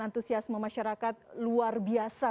antusiasme masyarakat luar biasa